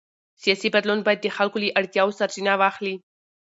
سیاسي بدلون باید د خلکو له اړتیاوو سرچینه واخلي